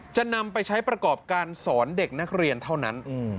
จะนำไปใช้ประกอบการสอนเด็กนักเรียนเท่านั้น